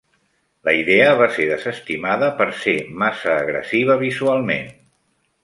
La idea va ser desestimada per ser massa agressiva visualment.